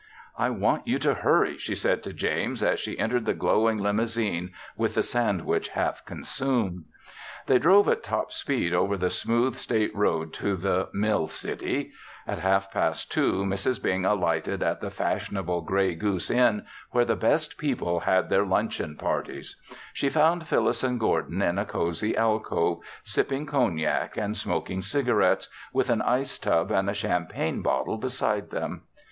"I want you to hurry," she said to James as she entered the glowing limousine with the sandwich half consumed. They drove at top speed over the smooth, state road to the mill city. At half past two, Mrs. Bing alighted at the fashionable Gray Goose Inn where the best people had their luncheon parties. She found Phyllis and Gordon in a cozy alcove, sipping cognac and smoking cigarettes, with an ice tub and a champagne bottle beside them.